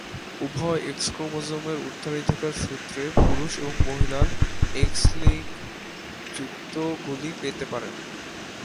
উভয়ই এক্স ক্রোমোজোমের উত্তরাধিকার সূত্রে পুরুষ এবং মহিলারা এক্স-লিঙ্কযুক্তগুলি পেতে পারেন।